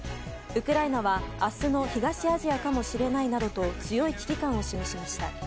ウクライナは明日の東アジアかもしれないなどと強い危機感を示しました。